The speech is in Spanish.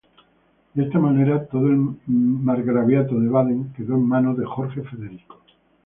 De esta manera todo el margraviato de Baden quedó en manos de Jorge Federico.